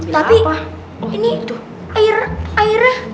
tapi ini air airnya